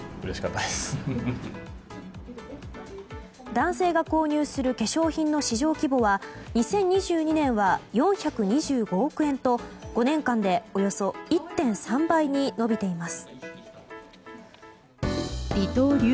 男性が購入する化粧品の市場規模は２０２２年は４２５億円と５年間でおよそ１．３倍に伸びています。